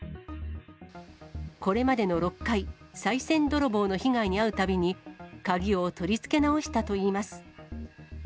これまでの６回、さい銭泥棒の被害に遭うたびに、鍵を取り付け直したといいます。